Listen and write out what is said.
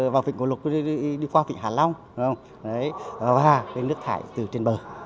vào vịnh cổ lục đi qua vịnh hà long và nước thải từ trên bờ